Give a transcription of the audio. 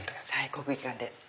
国技館で。